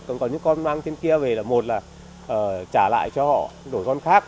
còn những con mang trên kia về là một là trả lại cho họ đổi con khác